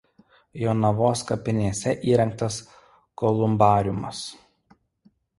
Jonavos kapinėse įrengtas kolumbariumas.